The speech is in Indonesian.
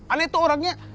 aneh tuh orangnya